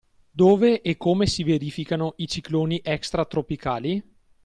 Dove e come si verificano i cicloni extratropicali?